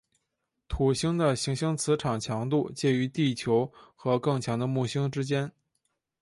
土星的行星磁场强度介于地球和更强的木星之间。